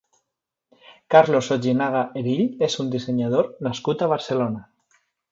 Carlos Ojinaga Erill és un dissenyador nascut a Barcelona.